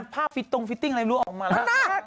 มีการภาพตรงตรงตรงอะไรรู้ออกมาแล้ว